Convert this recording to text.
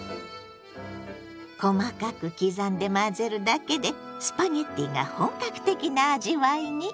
細かく刻んで混ぜるだけでスパゲッティが本格的な味わいに。